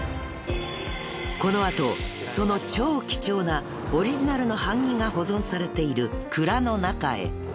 ［この後その超貴重なオリジナルの版木が保存されている蔵の中へ］